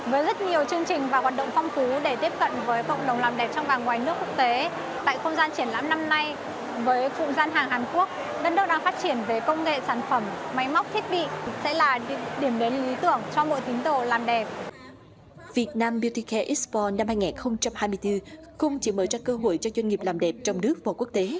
việt nam beauty care expo năm hai nghìn hai mươi bốn không chỉ mở ra cơ hội cho doanh nghiệp làm đẹp trong nước và quốc tế